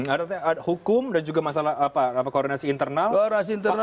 ada hukum dan juga masalah koordinasi internal